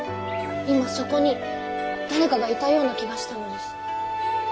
今そこに誰かがいたような気がしたのです。